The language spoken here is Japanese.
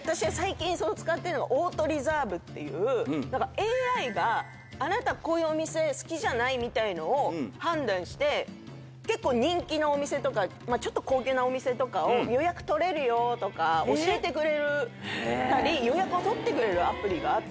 ＡＩがあなたこういうお店好きじゃない？みたいのを判断して結構人気のお店とかちょっと高級なお店とかを予約取れるよとか教えてくれたり予約を取ってくれるアプリがあって。